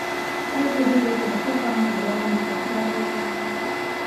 آیا پوهېږئ چې د خوب کمښت د وزن د زیاتوالي یو لامل دی؟